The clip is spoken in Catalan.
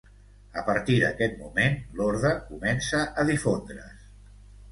A partir d'aquest moment l'orde comença a difondre's.